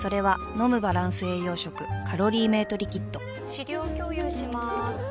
・資料共有しまーす